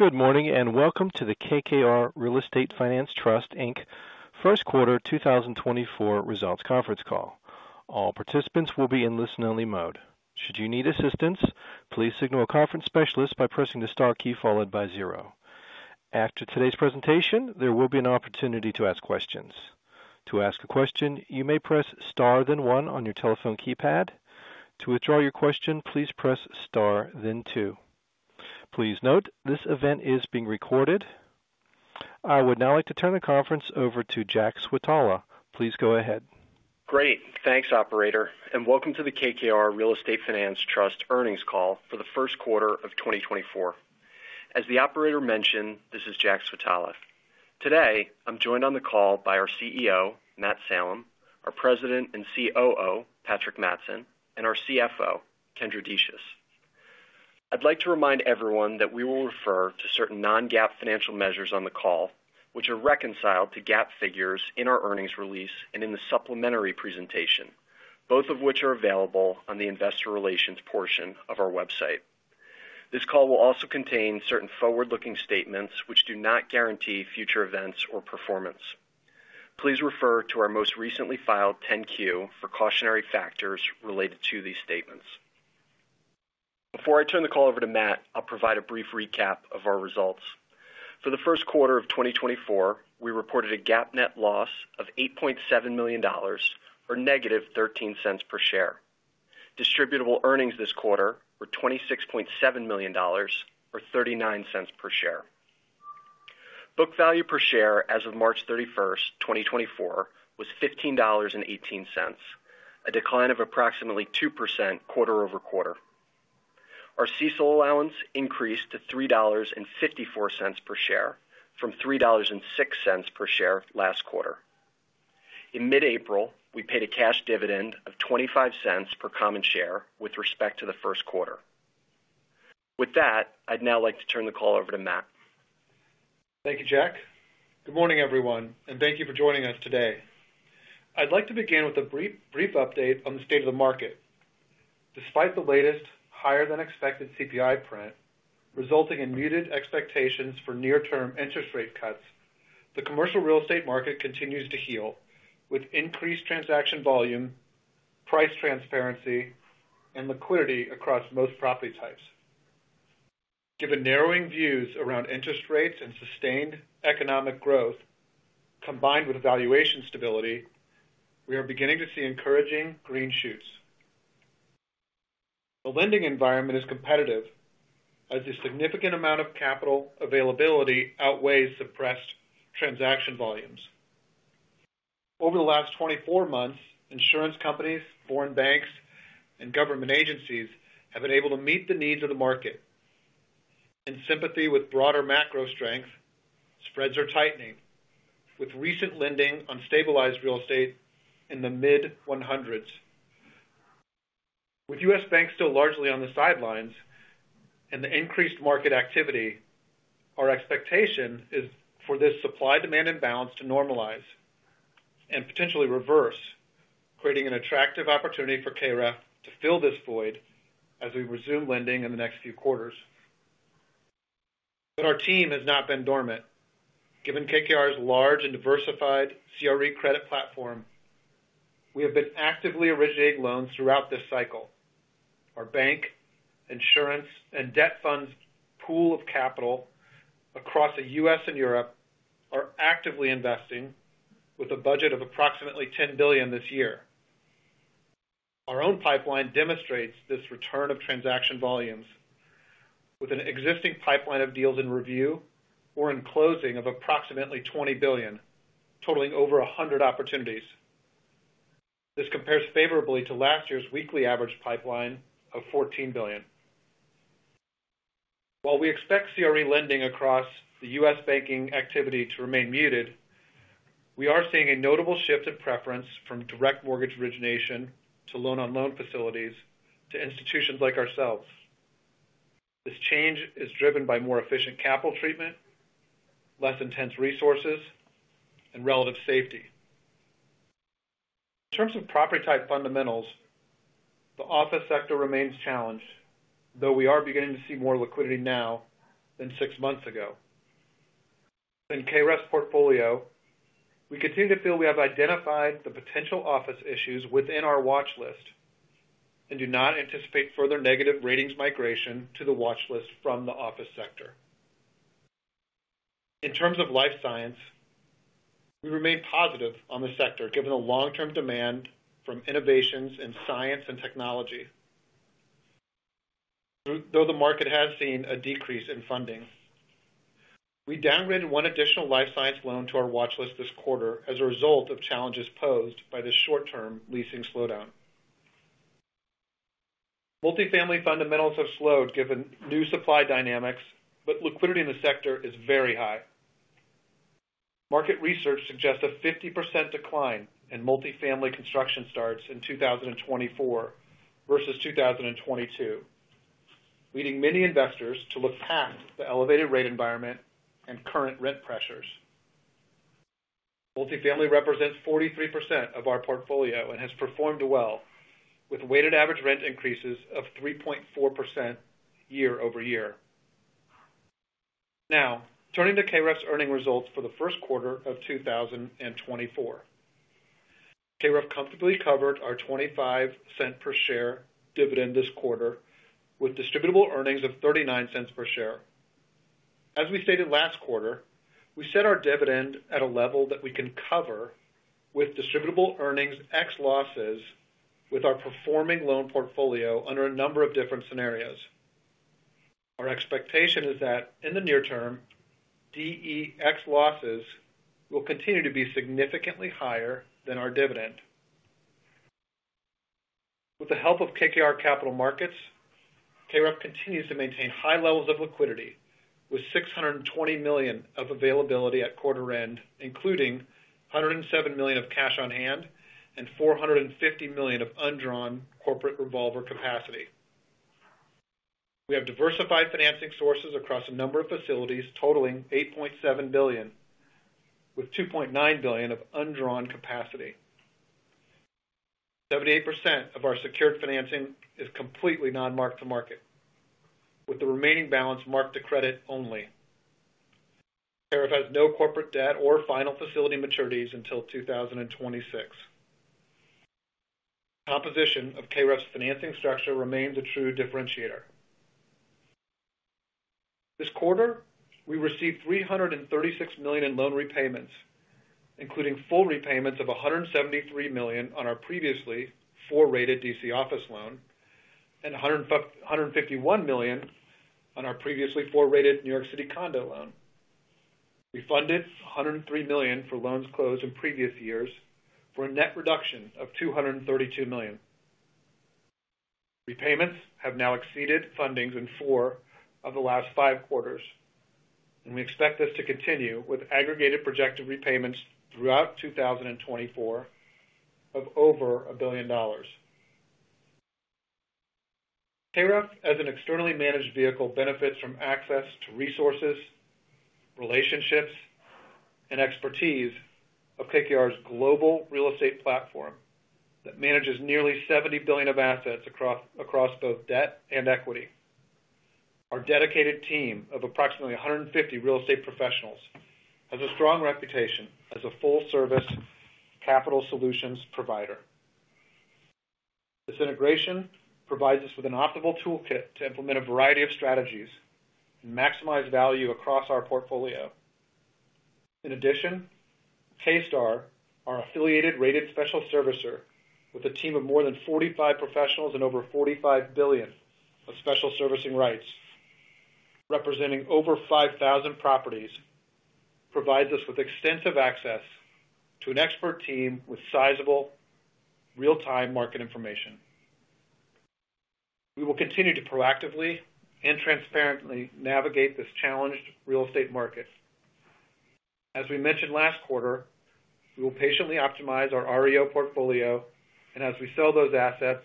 Good morning and welcome to the KKR Real Estate Finance Trust Inc. first quarter 2024 results conference call. All participants will be in listen-only mode. Should you need assistance, please signal a conference specialist by pressing the star key followed by 0. After today's presentation, there will be an opportunity to ask questions. To ask a question, you may press star then 1 on your telephone keypad. To withdraw your question, please press star then 2. Please note, this event is being recorded. I would now like to turn the conference over to Jack Switala. Please go ahead. Great. Thanks, operator, and welcome to the KKR Real Estate Finance Trust earnings call for the first quarter of 2024. As the operator mentioned, this is Jack Switala. Today, I'm joined on the call by our CEO, Matt Salem, our President and COO, Patrick Mattson, and our CFO, Kendra Decious. I'd like to remind everyone that we will refer to certain non-GAAP financial measures on the call, which are reconciled to GAAP figures in our earnings release and in the supplementary presentation, both of which are available on the investor relations portion of our website. This call will also contain certain forward-looking statements which do not guarantee future events or performance. Please refer to our most recently filed 10-Q for cautionary factors related to these statements. Before I turn the call over to Matt, I'll provide a brief recap of our results. For the first quarter of 2024, we reported a GAAP net loss of $8.7 million or negative $0.13 per share. Distributable earnings this quarter were $26.7 million or $0.39 per share. Book value per share as of March 31, 2024, was $15.18, a decline of approximately 2% quarter-over-quarter. Our CECL allowance increased to $3.54 per share from $3.06 per share last quarter. In mid-April, we paid a cash dividend of $0.25 per common share with respect to the first quarter. With that, I'd now like to turn the call over to Matt. Thank you, Jack. Good morning, everyone, and thank you for joining us today. I'd like to begin with a brief update on the state of the market. Despite the latest higher-than-expected CPI print resulting in muted expectations for near-term interest rate cuts, the commercial real estate market continues to heal with increased transaction volume, price transparency, and liquidity across most property types. Given narrowing views around interest rates and sustained economic growth combined with valuation stability, we are beginning to see encouraging green shoots. The lending environment is competitive as a significant amount of capital availability outweighs suppressed transaction volumes. Over the last 24 months, insurance companies, foreign banks, and government agencies have been able to meet the needs of the market. In sympathy with broader macro strength, spreads are tightening, with recent lending on stabilized real estate in the mid-100s. With U.S. banks still largely on the sidelines and the increased market activity, our expectation is for this supply-demand imbalance to normalize and potentially reverse, creating an attractive opportunity for KREF to fill this void as we resume lending in the next few quarters. But our team has not been dormant. Given KKR's large and diversified CRE credit platform, we have been actively originating loans throughout this cycle. Our bank, insurance, and debt funds pool of capital across the U.S. and Europe are actively investing with a budget of approximately $10 billion this year. Our own pipeline demonstrates this return of transaction volumes, with an existing pipeline of deals in review or in closing of approximately $20 billion, totaling over 100 opportunities. This compares favorably to last year's weekly average pipeline of $14 billion. While we expect CRE lending across the U.S. banking activity to remain muted, we are seeing a notable shift in preference from direct mortgage origination to loan-on-loan facilities to institutions like ourselves. This change is driven by more efficient capital treatment, less intense resources, and relative safety. In terms of property-type fundamentals, the office sector remains challenged, though we are beginning to see more liquidity now than six months ago. In KREF's portfolio, we continue to feel we have identified the potential office issues within our watchlist and do not anticipate further negative ratings migration to the watchlist from the office sector. In terms of life science, we remain positive on the sector given the long-term demand from innovations in science and technology, though the market has seen a decrease in funding. We downgraded one additional life science loan to our watchlist this quarter as a result of challenges posed by the short-term leasing slowdown. Multifamily fundamentals have slowed given new supply dynamics, but liquidity in the sector is very high. Market research suggests a 50% decline in multifamily construction starts in 2024 versus 2022, leading many investors to look past the elevated rate environment and current rent pressures. Multifamily represents 43% of our portfolio and has performed well, with weighted average rent increases of 3.4% year-over-year. Now, turning to KREF's earnings results for the first quarter of 2024. KREF comfortably covered our $0.25 per share dividend this quarter, with distributable earnings of $0.39 per share. As we stated last quarter, we set our dividend at a level that we can cover with distributable earnings ex-losses with our performing loan portfolio under a number of different scenarios. Our expectation is that, in the near term, DE ex-losses will continue to be significantly higher than our dividend. With the help of KKR Capital Markets, KREF continues to maintain high levels of liquidity, with $620 million of availability at quarter-end, including $107 million of cash on hand and $450 million of undrawn corporate revolver capacity. We have diversified financing sources across a number of facilities, totaling $8.7 billion, with $2.9 billion of undrawn capacity. 78% of our secured financing is completely non-mark-to-market, with the remaining balance marked to credit only. KREF has no corporate debt or final facility maturities until 2026. The composition of KREF's financing structure remains a true differentiator. This quarter, we received $336 million in loan repayments, including full repayments of $173 million on our previously 4-rated D.C. office loan and $151 million on our previously 4-rated New York City condo loan. We funded $103 million for loans closed in previous years for a net reduction of $232 million. Repayments have now exceeded fundings in four of the last five quarters, and we expect this to continue with aggregated projected repayments throughout 2024 of over $1 billion. KREF, as an externally managed vehicle, benefits from access to resources, relationships, and expertise of KKR's global real estate platform that manages nearly $70 billion of assets across both debt and equity. Our dedicated team of approximately 150 real estate professionals has a strong reputation as a full-service capital solutions provider. This integration provides us with an optimal toolkit to implement a variety of strategies and maximize value across our portfolio. In addition, K-Star, our affiliated rated special servicer with a team of more than 45 professionals and over $45 billion of special servicing rights, representing over 5,000 properties, provides us with extensive access to an expert team with sizable, real-time market information. We will continue to proactively and transparently navigate this challenged real estate market. As we mentioned last quarter, we will patiently optimize our REO portfolio, and as we sell those assets,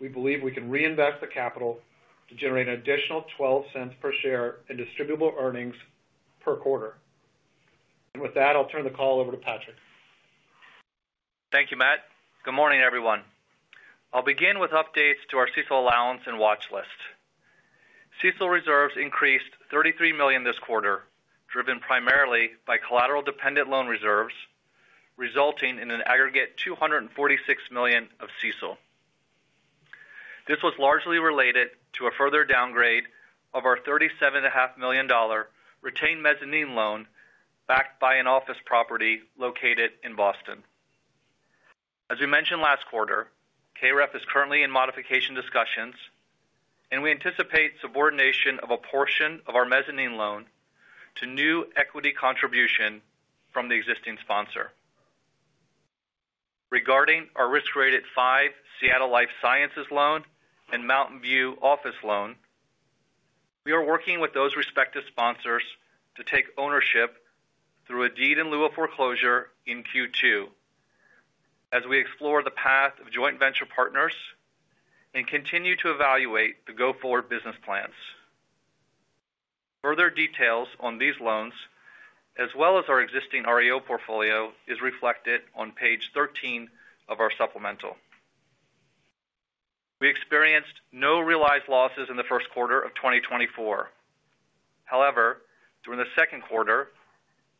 we believe we can reinvest the capital to generate an additional $0.12 per share in distributable earnings per quarter. With that, I'll turn the call over to Patrick. Thank you, Matt. Good morning, everyone. I'll begin with updates to our CECL allowance and watchlist. CECL reserves increased $33 million this quarter, driven primarily by collateral-dependent loan reserves, resulting in an aggregate $246 million of CECL. This was largely related to a further downgrade of our $37.5 million retained mezzanine loan backed by an office property located in Boston. As we mentioned last quarter, KREF is currently in modification discussions, and we anticipate subordination of a portion of our mezzanine loan to new equity contribution from the existing sponsor. Regarding our risk-rated 5 Seattle life sciences loan and Mountain View office loan, we are working with those respective sponsors to take ownership through a deed-in-lieu foreclosure in Q2 as we explore the path of joint venture partners and continue to evaluate the go-forward business plans. Further details on these loans, as well as our existing REO portfolio, are reflected on page 13 of our supplemental. We experienced no realized losses in the first quarter of 2024. However, during the second quarter,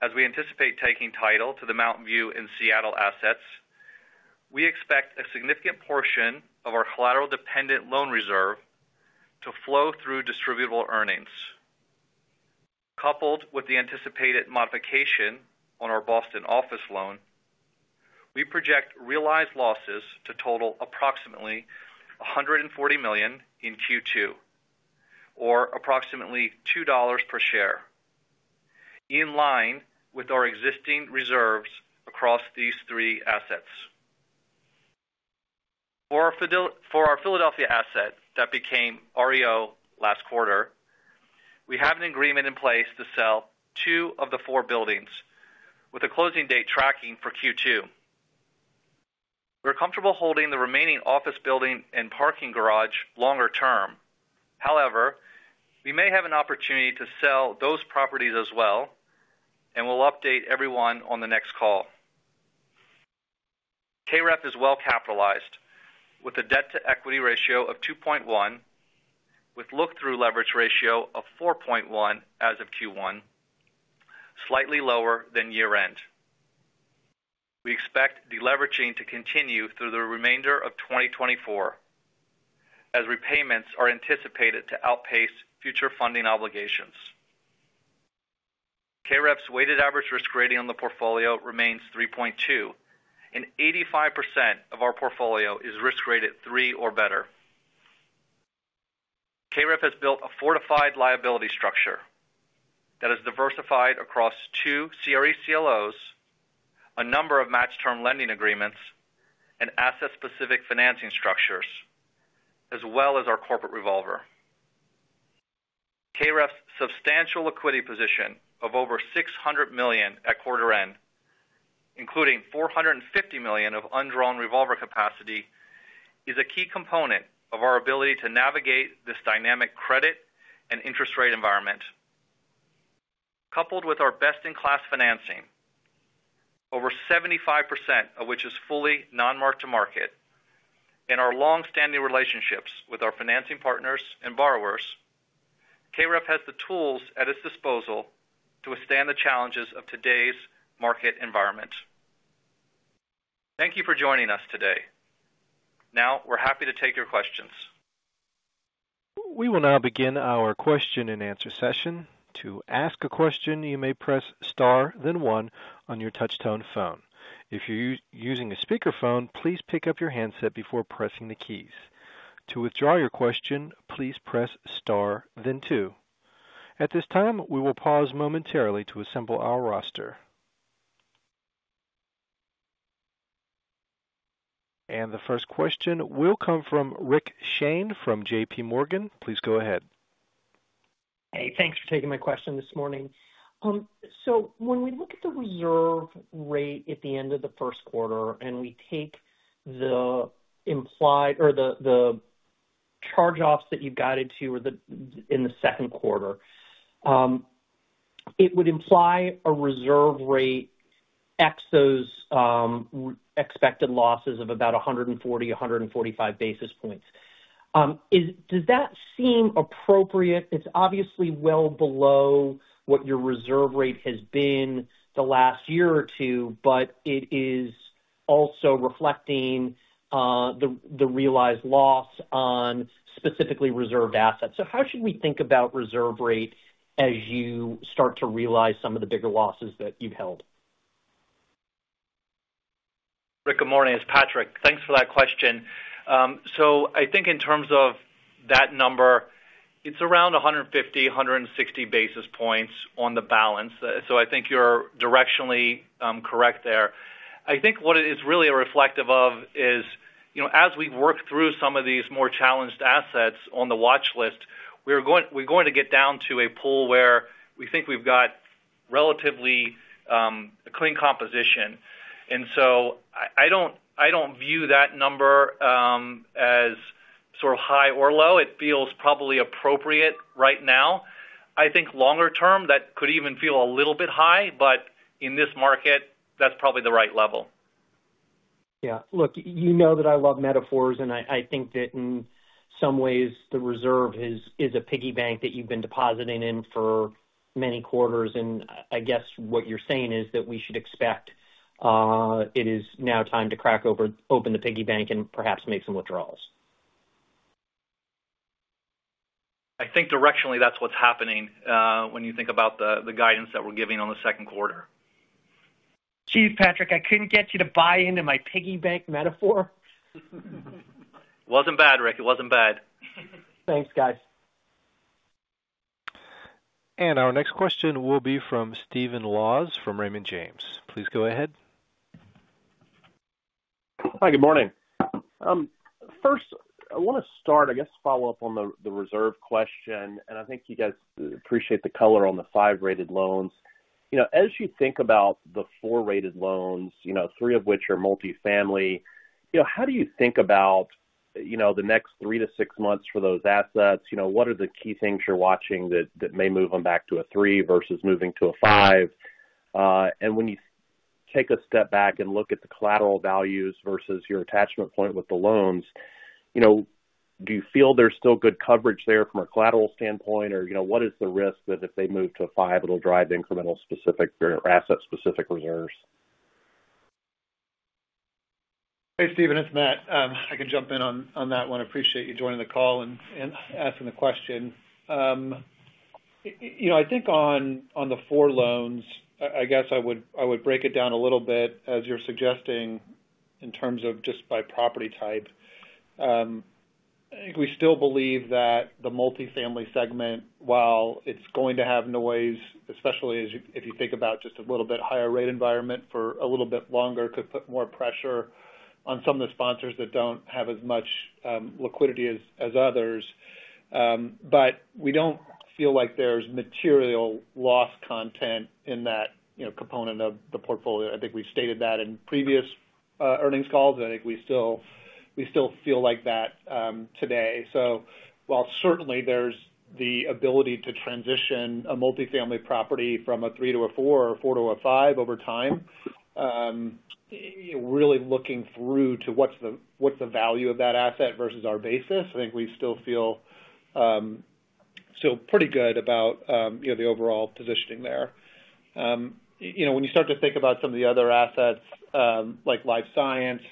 as we anticipate taking title to the Mountain View and Seattle assets, we expect a significant portion of our collateral-dependent loan reserve to flow through distributable earnings. Coupled with the anticipated modification on our Boston office loan, we project realized losses to total approximately $140 million in Q2, or approximately $2 per share, in line with our existing reserves across these three assets. For our Philadelphia asset that became REO last quarter, we have an agreement in place to sell two of the four buildings, with a closing date tracking for Q2. We're comfortable holding the remaining office building and parking garage longer term. However, we may have an opportunity to sell those properties as well, and we'll update everyone on the next call. KREF is well capitalized, with a debt-to-equity ratio of 2.1, with a look-through leverage ratio of 4.1 as of Q1, slightly lower than year-end. We expect deleveraging to continue through the remainder of 2024, as repayments are anticipated to outpace future funding obligations. KREF's weighted average risk rating on the portfolio remains 3.2, and 85% of our portfolio is risk-rated 3 or better. KREF has built a fortified liability structure that is diversified across two CRE CLOs, a number of match-term lending agreements, and asset-specific financing structures, as well as our corporate revolver. KREF's substantial liquidity position of over $600 million at quarter-end, including $450 million of undrawn revolver capacity, is a key component of our ability to navigate this dynamic credit and interest rate environment. Coupled with our best-in-class financing, over 75% of which is fully non-mark-to-market, and our longstanding relationships with our financing partners and borrowers, KREF has the tools at its disposal to withstand the challenges of today's market environment. Thank you for joining us today. Now, we're happy to take your questions. We will now begin our question-and-answer session. To ask a question, you may press star, then one, on your touch-tone phone. If you're using a speakerphone, please pick up your handset before pressing the keys. To withdraw your question, please press star, then two. At this time, we will pause momentarily to assemble our roster. The first question will come from Rick Shane from JPMorgan. Please go ahead. Hey, thanks for taking my question this morning. So when we look at the reserve rate at the end of the first quarter and we take the charge-offs that you've got into in the second quarter, it would imply a reserve rate ex those expected losses of about 140-145 basis points. Does that seem appropriate? It's obviously well below what your reserve rate has been the last year or two, but it is also reflecting the realized loss on specifically reserved assets. So how should we think about reserve rate as you start to realize some of the bigger losses that you've held? Rick, good morning. It's Patrick. Thanks for that question. I think in terms of that number, it's around 150-160 basis points on the balance. I think you're directionally correct there. I think what it is really a reflective of is, as we work through some of these more challenged assets on the watchlist, we're going to get down to a pool where we think we've got relatively a clean composition. I don't view that number as sort of high or low. It feels probably appropriate right now. I think longer term, that could even feel a little bit high, but in this market, that's probably the right level. Yeah. Look, you know that I love metaphors, and I think that in some ways, the reserve is a piggy bank that you've been depositing in for many quarters. And I guess what you're saying is that we should expect it is now time to crack open the piggy bank and perhaps make some withdrawals. I think directionally, that's what's happening when you think about the guidance that we're giving on the second quarter. Excuse, Patrick, I couldn't get you to buy into my piggy bank metaphor. Wasn't bad, Rick. It wasn't bad. Thanks, guys. Our next question will be from Stephen Laws from Raymond James. Please go ahead. Hi, good morning. First, I want to start, I guess, follow up on the reserve question, and I think you guys appreciate the color on the 5-rated loans. As you think about the four-rated loans, three of which are multifamily, how do you think about the next 3-6 months for those assets? What are the key things you're watching that may move them back to a three versus moving to a five? And when you take a step back and look at the collateral values versus your attachment point with the loans, do you feel there's still good coverage there from a collateral standpoint, or what is the risk that if they move to a five, it'll drive incremental asset-specific reserves? Hey, Stephen. It's Matt. I can jump in on that one. I appreciate you joining the call and asking the question. I think on the four loans, I guess I would break it down a little bit, as you're suggesting, in terms of just by property type. I think we still believe that the multifamily segment, while it's going to have noise, especially if you think about just a little bit higher-rate environment for a little bit longer, could put more pressure on some of the sponsors that don't have as much liquidity as others. But we don't feel like there's material loss content in that component of the portfolio. I think we've stated that in previous earnings calls, and I think we still feel like that today. So while certainly, there's the ability to transition a multifamily property from a three to a four or a four to a five over time, really looking through to what's the value of that asset versus our basis, I think we still feel pretty good about the overall positioning there. When you start to think about some of the other assets, like life science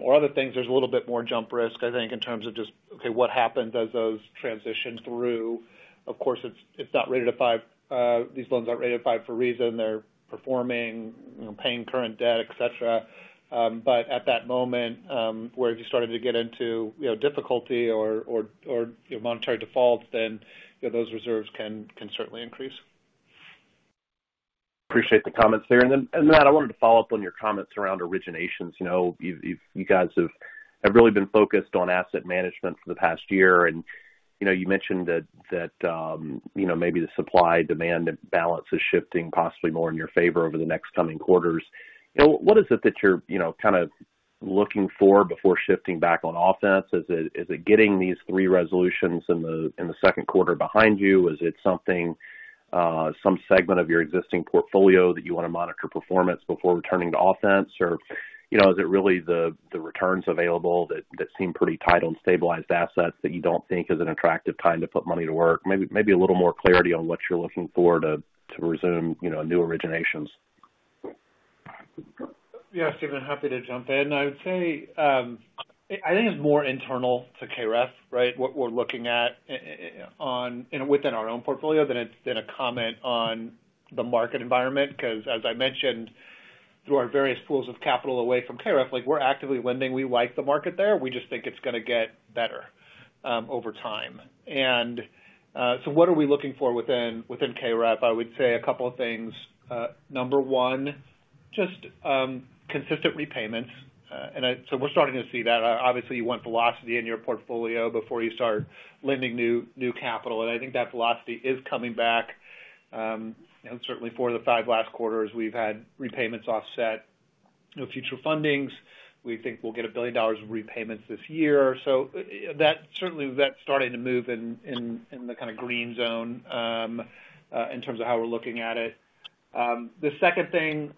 or other things, there's a little bit more jump risk, I think, in terms of just, okay, what happens as those transition through? Of course, it's not rated a five. These loans aren't rated a five for reason. They're performing, paying current debt, etc. But at that moment, where if you started to get into difficulty or monetary defaults, then those reserves can certainly increase. Appreciate the comments there. And Matt, I wanted to follow up on your comments around originations. You guys have really been focused on asset management for the past year, and you mentioned that maybe the supply-demand balance is shifting possibly more in your favor over the next coming quarters. What is it that you're kind of looking for before shifting back on offense? Is it getting these three resolutions in the second quarter behind you? Is it some segment of your existing portfolio that you want to monitor performance before returning to offense, or is it really the returns available that seem pretty tight on stabilized assets that you don't think is an attractive time to put money to work? Maybe a little more clarity on what you're looking for to resume new originations. Yeah, Stephen, happy to jump in. I would say I think it's more internal to KREF, right, what we're looking at within our own portfolio than a comment on the market environment. Because as I mentioned, through our various pools of capital away from KREF, we're actively lending. We like the market there. We just think it's going to get better over time. And so what are we looking for within KREF? I would say a couple of things. Number one, just consistent repayments. And so we're starting to see that. Obviously, you want velocity in your portfolio before you start lending new capital, and I think that velocity is coming back. Certainly, for the five last quarters, we've had repayments offset. Future fundings, we think we'll get $1 billion of repayments this year. So certainly, that's starting to move in the kind of green zone in terms of how we're looking at it. The second thing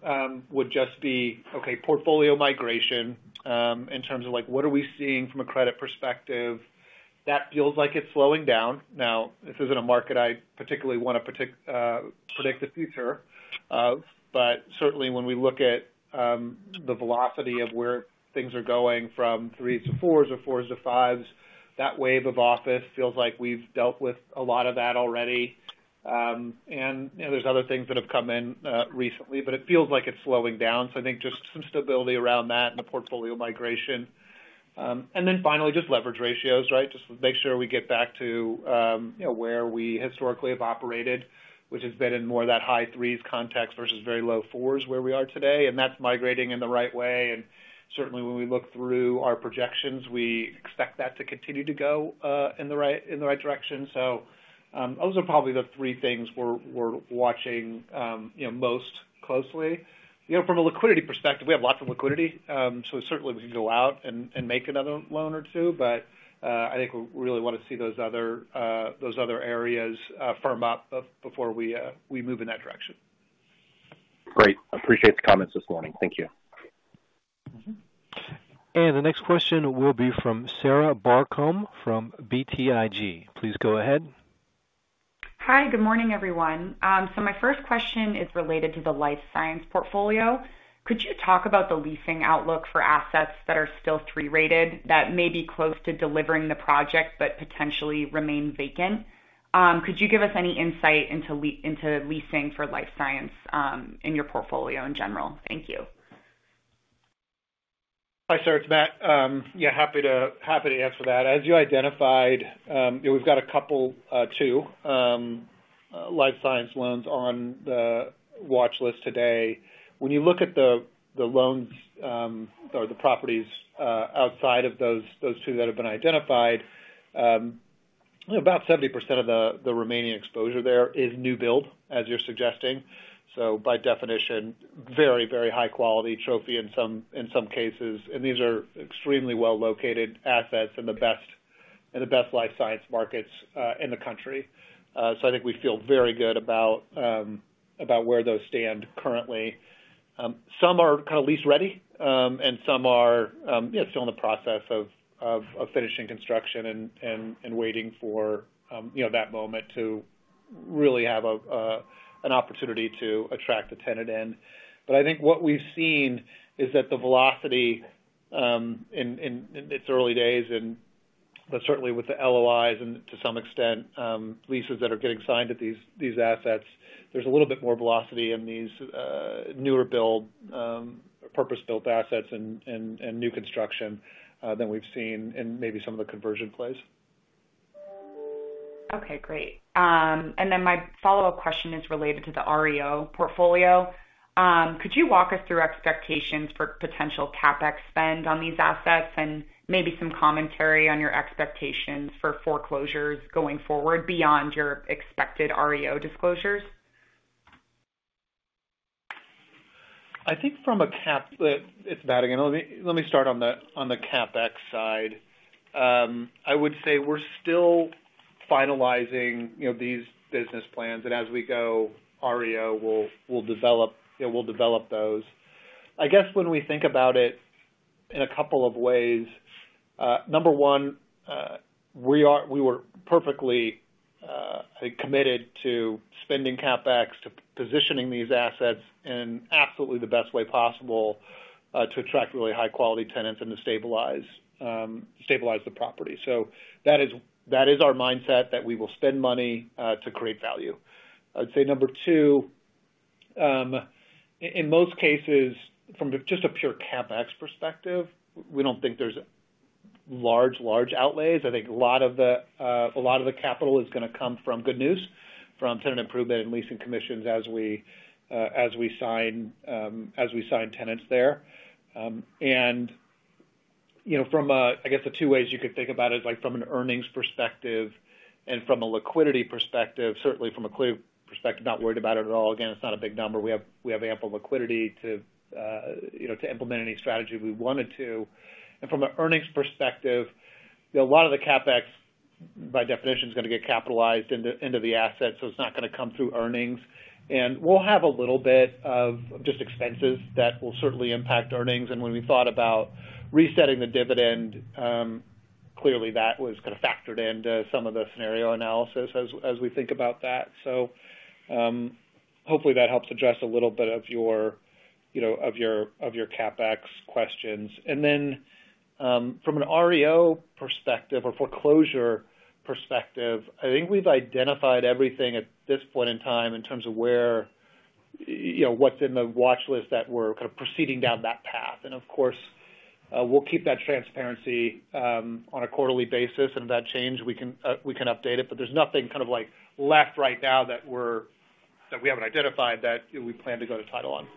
would just be, okay, portfolio migration in terms of what are we seeing from a credit perspective. That feels like it's slowing down. Now, this isn't a market I particularly want to predict the future of. But certainly, when we look at the velocity of where things are going from 3s to 4s or 4s to 5s, that wave of office feels like we've dealt with a lot of that already. And there's other things that have come in recently, but it feels like it's slowing down. So I think just some stability around that and the portfolio migration. And then finally, just leverage ratios, right? Just make sure we get back to where we historically have operated, which has been in the high threes context versus very low fours where we are today. That's migrating in the right way. Certainly, when we look through our projections, we expect that to continue to go in the right direction. Those are probably the three things we're watching most closely. From a liquidity perspective, we have lots of liquidity. Certainly, we can go out and make another loan or two, but I think we really want to see those other areas firm up before we move in that direction. Great. Appreciate the comments this morning. Thank you. The next question will be from Sarah Barcomb from BTIG. Please go ahead. Hi. Good morning, everyone. So my first question is related to the life science portfolio. Could you talk about the leasing outlook for assets that are still 3-rated that may be close to delivering the project but potentially remain vacant? Could you give us any insight into leasing for life science in your portfolio in general? Thank you. Hi, sir. It's Matt. Yeah, happy to answer that. As you identified, we've got a couple, two life science loans on the watchlist today. When you look at the loans or the properties outside of those two that have been identified, about 70% of the remaining exposure there is new build, as you're suggesting. So by definition, very, very high-quality trophy in some cases. And these are extremely well-located assets in the best life science markets in the country. So I think we feel very good about where those stand currently. Some are kind of lease-ready, and some are still in the process of finishing construction and waiting for that moment to really have an opportunity to attract the tenant in. But I think what we've seen is that the velocity in its early days, but certainly with the LOIs and to some extent, leases that are getting signed at these assets, there's a little bit more velocity in these newer build or purpose-built assets and new construction than we've seen in maybe some of the conversion plays. Okay, great. Then my follow-up question is related to the REO portfolio. Could you walk us through expectations for potential CapEx spend on these assets and maybe some commentary on your expectations for foreclosures going forward beyond your expected REO disclosures? I think from a CapEx it's Matt again. Let me start on the CapEx side. I would say we're still finalizing these business plans, and as we go, REO will develop those. I guess when we think about it in a couple of ways, number one, we were perfectly, I think, committed to spending CapEx to positioning these assets in absolutely the best way possible to attract really high-quality tenants and to stabilize the property. So that is our mindset, that we will spend money to create value. I'd say number two, in most cases, from just a pure CapEx perspective, we don't think there's large, large outlays. I think a lot of the a lot of the capital is going to come from good news, from tenant improvement and leasing commissions as we sign tenants there. And from, I guess, the two ways you could think about it is from an earnings perspective and from a liquidity perspective, certainly from a clear perspective, not worried about it at all. Again, it's not a big number. We have ample liquidity to implement any strategy we wanted to. And from an earnings perspective, a lot of the CapEx, by definition, is going to get capitalized into the asset, so it's not going to come through earnings. And we'll have a little bit of just expenses that will certainly impact earnings. And when we thought about resetting the dividend, clearly, that was kind of factored into some of the scenario analysis as we think about that. So hopefully, that helps address a little bit of your CapEx questions. And then from an REO perspective or foreclosure perspective, I think we've identified everything at this point in time in terms of what's in the watchlist that we're kind of proceeding down that path. And of course, we'll keep that transparency on a quarterly basis, and if that changes, we can update it. But there's nothing kind of left right now that we haven't identified that we plan to go to title on.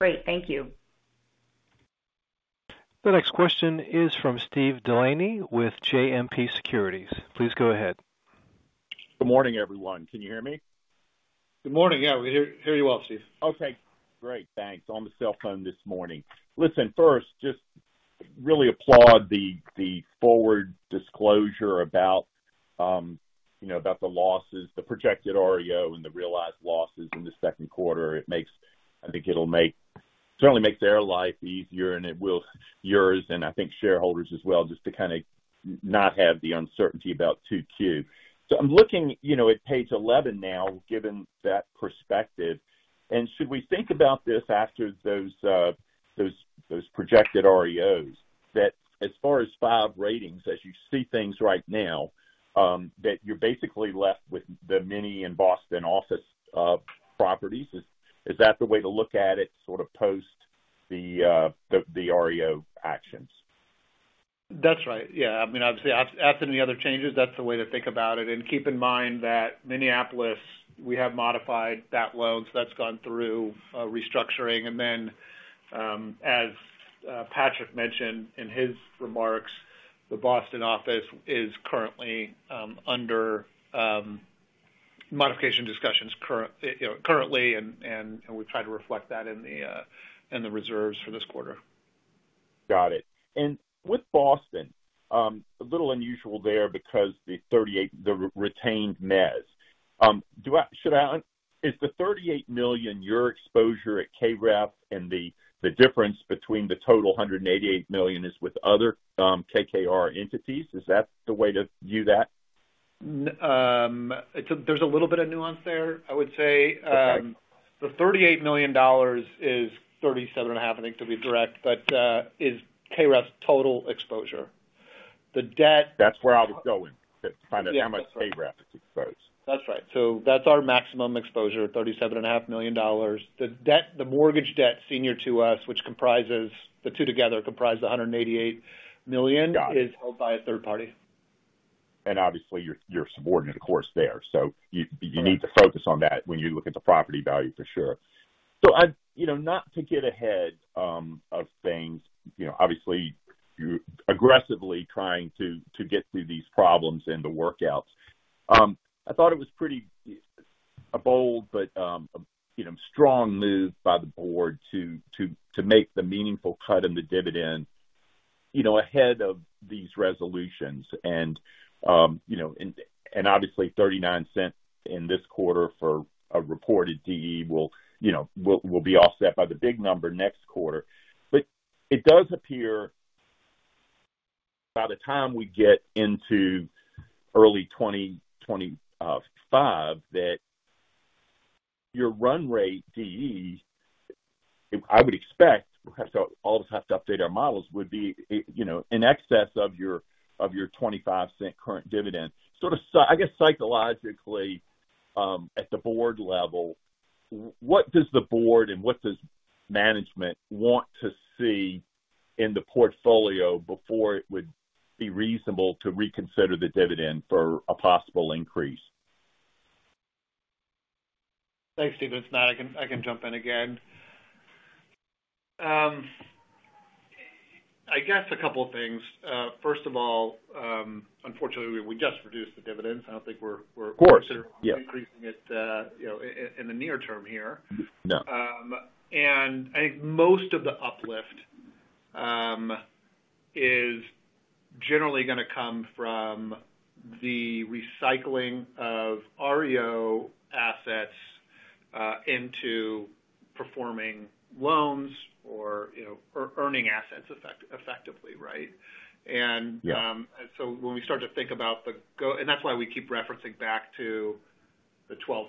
Great. Thank you. The next question is from Steve Delaney with JMP Securities. Please go ahead. Good morning, everyone. Can you hear me? Good morning. Yeah, we hear you well, Steve. Okay. Great. Thanks. On the cell phone this morning. Listen, first, just really applaud the forward disclosure about the losses, the projected REO, and the realized losses in the second quarter. I think it'll certainly make their life easier, and it will yours, and I think shareholders as well, just to kind of not have the uncertainty about 2Q. So I'm looking at page 11 now, given that perspective. And should we think about this after those projected REOs? That as far as 5 ratings, as you see things right now, that you're basically left with the mezzanine-financed office properties. Is that the way to look at it sort of post the REO actions? That's right. Yeah. I mean, obviously, after any other changes, that's the way to think about it. Keep in mind that Minneapolis, we have modified that loan. So that's gone through restructuring. Then as Patrick mentioned in his remarks, the Boston office is currently under modification discussions currently, and we've tried to reflect that in the reserves for this quarter. Got it. And with Boston, a little unusual there because the retained mezz, should I is the $38 million your exposure at KREF, and the difference between the total $188 million is with other KKR entities? Is that the way to view that? There's a little bit of nuance there, I would say. The $38 million is $37.5 million, I think, to be direct, but is KREF's total exposure. The debt. That's where I was going, to find out how much KREF is exposed. That's right. So that's our maximum exposure, $37.5 million. The mortgage debt senior to us, which comprises the two together comprise the $188 million, is held by a third party. Obviously, you're subordinate, of course, there. So you need to focus on that when you look at the property value, for sure. So not to get ahead of things, obviously, aggressively trying to get through these problems and the workouts, I thought it was pretty bold but strong move by the board to make the meaningful cut in the dividend ahead of these resolutions. Obviously, $0.39 in this quarter for a reported DE will be offset by the big number next quarter. It does appear by the time we get into early 2025 that your run rate DE, I would expect so all of us have to update our models, would be in excess of your $0.25 current dividend. Sort of, I guess, psychologically, at the board level, what does the board and what does management want to see in the portfolio before it would be reasonable to reconsider the dividend for a possible increase? Thanks, Steve. If not, I can jump in again. I guess a couple of things. First of all, unfortunately, we just reduced the dividends. I don't think we're considering increasing it in the near term here. And I think most of the uplift is generally going to come from the recycling of REO assets into performing loans or earning assets effectively, right? And so when we start to think about the and that's why we keep referencing back to the $0.12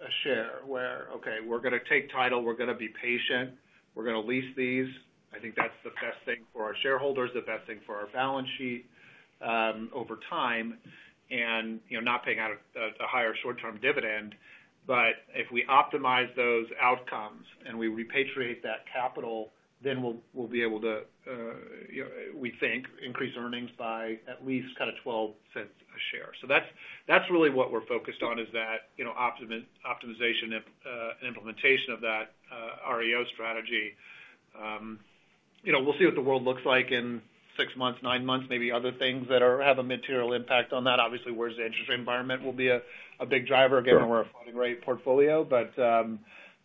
a share, where, "Okay, we're going to take title. We're going to be patient. We're going to lease these." I think that's the best thing for our shareholders, the best thing for our balance sheet over time, and not paying out a higher short-term dividend. But if we optimize those outcomes and we repatriate that capital, then we'll be able to, we think, increase earnings by at least kind of $0.12 a share. So that's really what we're focused on, is that optimization and implementation of that REO strategy. We'll see what the world looks like in six months, nine months, maybe other things that have a material impact on that. Obviously, where's the interest rate environment will be a big driver, given we're a floating-rate portfolio. But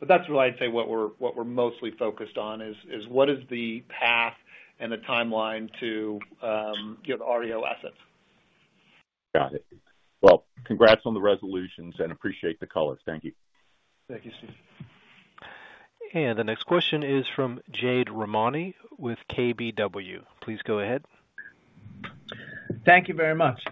that's really, I'd say, what we're mostly focused on, is what is the path and the timeline to the REO assets? Got it. Well, congrats on the resolutions, and appreciate the colors. Thank you. Thank you, Steve. The next question is from Jade Rahmani with KBW. Please go ahead. Thank you very much.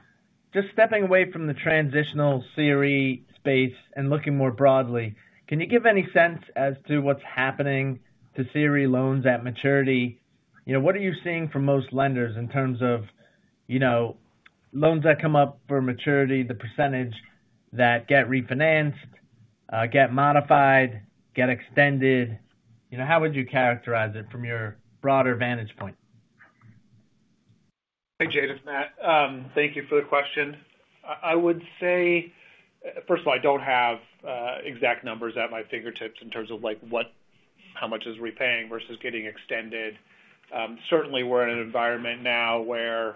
Just stepping away from the transitional CRE space and looking more broadly, can you give any sense as to what's happening to CRE loans at maturity? What are you seeing from most lenders in terms of loans that come up for maturity, the percentage that get refinanced, get modified, get extended? How would you characterize it from your broader vantage point? Hey, Jade. It's Matt. Thank you for the question. I would say, first of all, I don't have exact numbers at my fingertips in terms of how much is repaying versus getting extended. Certainly, we're in an environment now where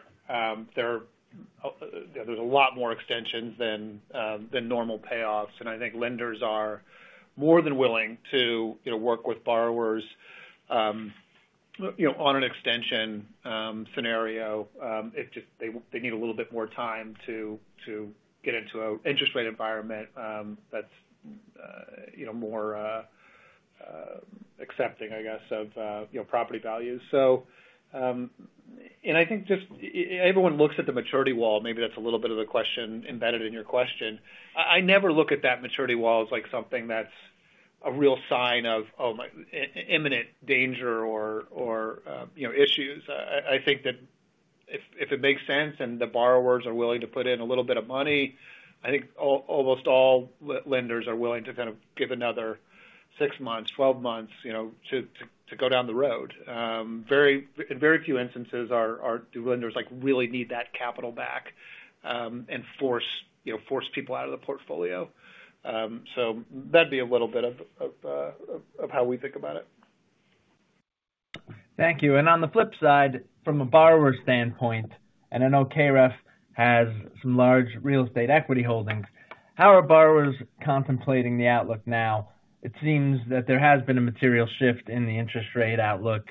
there's a lot more extensions than normal payoffs. And I think lenders are more than willing to work with borrowers on an extension scenario if they need a little bit more time to get into an interest rate environment that's more accepting, I guess, of property values. And I think just everyone looks at the maturity wall. Maybe that's a little bit of the question embedded in your question. I never look at that maturity wall as something that's a real sign of imminent danger or issues. I think that if it makes sense and the borrowers are willing to put in a little bit of money, I think almost all lenders are willing to kind of give another 6 months, 12 months to go down the road. In very few instances, do lenders really need that capital back and force people out of the portfolio? So that'd be a little bit of how we think about it. Thank you. On the flip side, from a borrower standpoint, and I know KREF has some large real estate equity holdings, how are borrowers contemplating the outlook now? It seems that there has been a material shift in the interest rate outlook,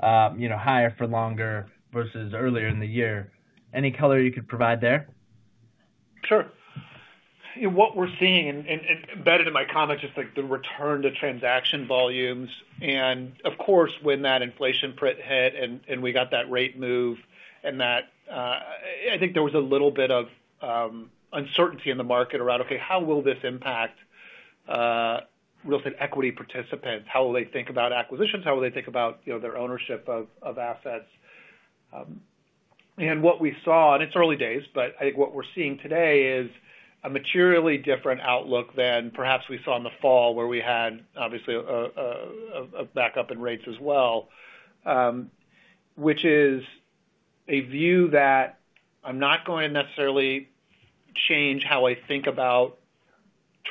higher for longer versus earlier in the year. Any color you could provide there? Sure. What we're seeing, and embedded in my comments, is the return to transaction volumes. And of course, when that inflation print hit and we got that rate move and that I think there was a little bit of uncertainty in the market around, "Okay, how will this impact real estate equity participants? How will they think about acquisitions? How will they think about their ownership of assets?" And what we saw and it's early days, but I think what we're seeing today is a materially different outlook than perhaps we saw in the fall where we had, obviously, a backup in rates as well, which is a view that I'm not going to necessarily change how I think about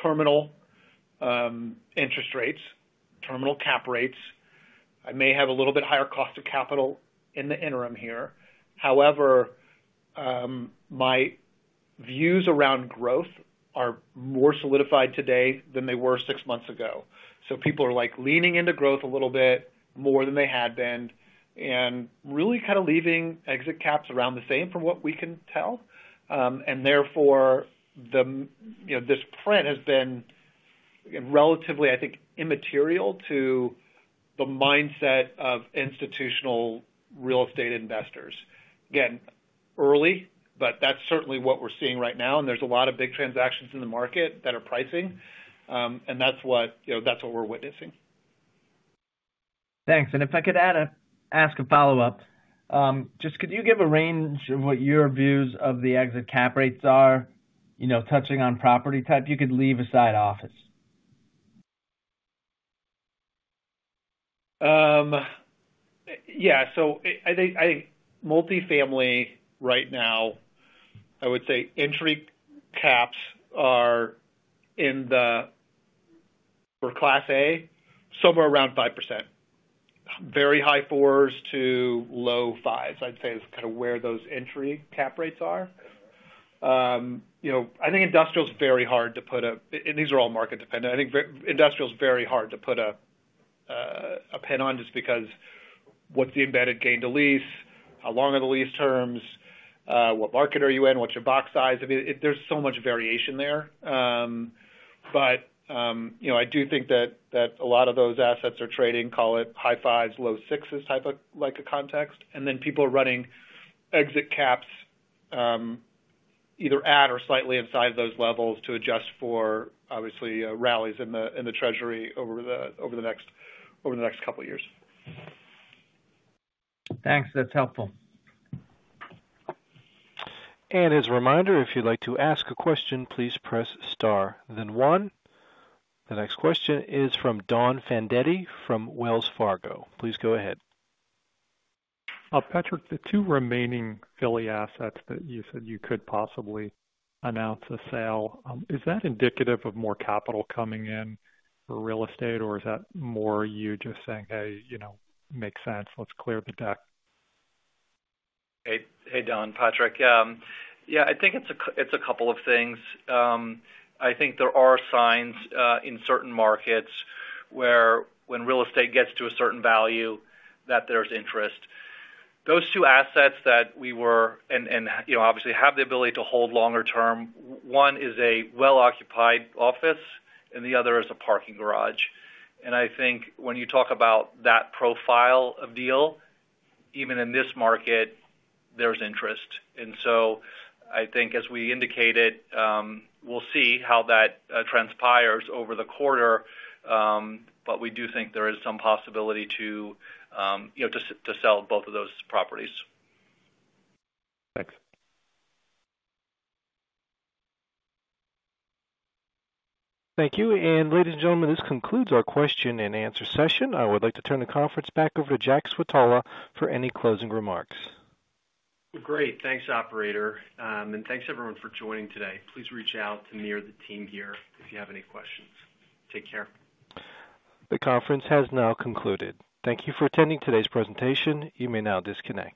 terminal interest rates, terminal cap rates. I may have a little bit higher cost of capital in the interim here. However, my views around growth are more solidified today than they were six months ago. So people are leaning into growth a little bit more than they had been and really kind of leaving exit caps around the same from what we can tell. And therefore, this print has been relatively, I think, immaterial to the mindset of institutional real estate investors. Again, early, but that's certainly what we're seeing right now. And there's a lot of big transactions in the market that are pricing, and that's what we're witnessing. Thanks. And if I could ask a follow-up, just could you give a range of what your views of the exit cap rates are, touching on property type? You could leave aside office. Yeah. So I think multifamily right now, I would say entry caps are in the for Class A, somewhere around 5%, very high 4s to low 5s. I'd say it's kind of where those entry cap rates are. I think industrial's very hard to put a and these are all market-dependent. I think industrial's very hard to put a pin on just because what's the embedded gain to lease, how long are the lease terms, what market are you in, what's your box size. I mean, there's so much variation there. But I do think that a lot of those assets are trading, call it high 5s, low 6s type of context. And then people are running exit caps either at or slightly inside of those levels to adjust for, obviously, rallies in the Treasury over the next couple of years. Thanks. That's helpful. As a reminder, if you'd like to ask a question, please press star, then one. The next question is from Don Fandetti from Wells Fargo. Please go ahead. Patrick, the two remaining Philly assets that you said you could possibly announce a sale, is that indicative of more capital coming in for real estate, or is that more you just saying, "Hey, makes sense. Let's clear the deck"? Hey, Don. Patrick, yeah, I think it's a couple of things. I think there are signs in certain markets where when real estate gets to a certain value, that there's interest. Those two assets that we were and obviously have the ability to hold longer term, one is a well-occupied office, and the other is a parking garage. And I think when you talk about that profile of deal, even in this market, there's interest. And so I think, as we indicated, we'll see how that transpires over the quarter. But we do think there is some possibility to sell both of those properties. Thanks. Thank you. And ladies and gentlemen, this concludes our question and answer session. I would like to turn the conference back over to Jack Switala for any closing remarks. Great. Thanks, operator. Thanks, everyone, for joining today. Please reach out to me or the team here if you have any questions. Take care. The conference has now concluded. Thank you for attending today's presentation. You may now disconnect.